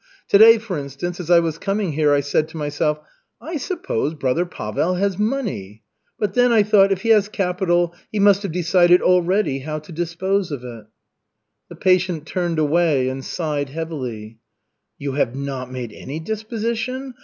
To day, for instance, as I was coming here, I said to myself, 'I suppose brother Pavel has money.' 'But then,' I thought, 'if he has capital, he must have decided already how to dispose of it.'" The patient turned away and sighed heavily. "You have not made any disposition?